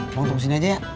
abang tunggu sini aja ya